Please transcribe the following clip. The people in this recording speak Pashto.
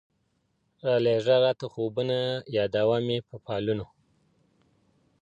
رالېږه راته خوبونه یادوه مي په فالونو